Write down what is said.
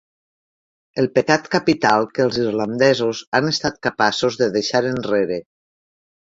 El pecat capital que els irlandesos han estat capaços de deixar enrere.